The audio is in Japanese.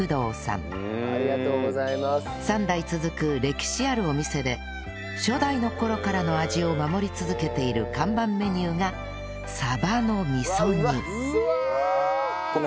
３代続く歴史あるお店で初代の頃からの味を守り続けている看板メニューがサバの味噌煮はあ！